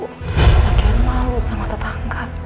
lagian malu sama tetangga